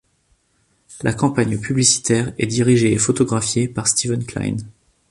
La campagne publicitaire est dirigée et photographiée par Steven Klein.